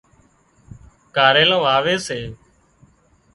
ڪاريلان واوي سي